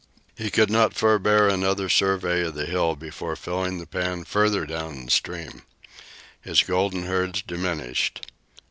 He could not forbear another survey of the hill before filling the pan farther down the stream. His golden herds diminished.